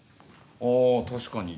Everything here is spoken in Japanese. あぁ確かに。